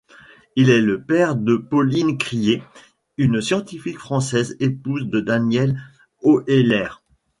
Il est le père de Pauline Crié, une scientifique française, épouse de Daniel Oehlert.